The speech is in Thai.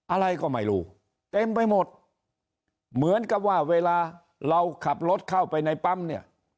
อะไรก็ไม่รู้เต็มไปหมดเหมือนกับว่าเวลาเราขับรถเข้าไปในปั๊มเนี่ย